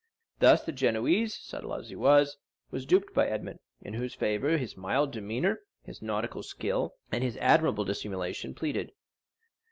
Thus the Genoese, subtle as he was, was duped by Edmond, in whose favor his mild demeanor, his nautical skill, and his admirable dissimulation, pleaded.